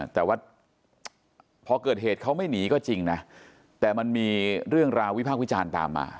แต่ว่าพอเกิดเหตุเขาไม่หนีก็จริงนะแต่มันมีเรื่องราววิพากษ์วิจารณ์ตามมา